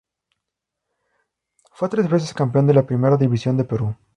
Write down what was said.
Fue tres veces campeón de la Primera División del Perú.